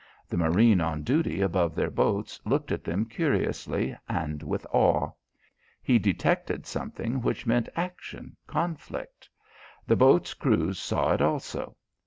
The marine on duty above their boats looked at them curiously and with awe. He detected something which meant action, conflict, The boats' crews saw it also.